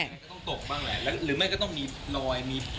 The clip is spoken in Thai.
จะต้องตกบ้างเลยหรือไหมก็ต้องมีลอย